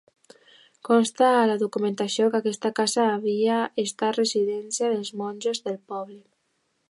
Consta a la documentació que aquesta casa havia estat residència dels monjos de Poblet.